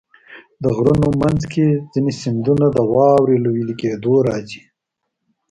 د غرونو منځ کې ځینې سیندونه د واورې له وېلې کېدو راځي.